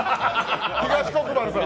東国原さん。